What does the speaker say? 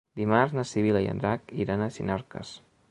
Dimarts na Sibil·la i en Drac iran a Sinarques.